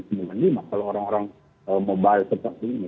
kalau orang orang mobile seperti ini